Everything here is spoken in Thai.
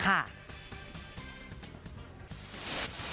ความแข็นแมว